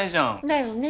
だよね。